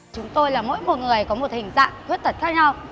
chúng tôi là mỗi một người có một hình dạng khuyết tật khác nhau